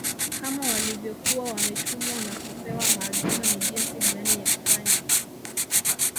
Kama walivyokuwa wametumwa na kupewa maagizo ni jinsi gani ya Kufanya